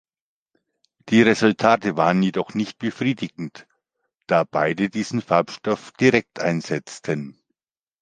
Die Resultate waren jedoch nicht befriedigend, da beide diesen Farbstoff direkt einsetzten.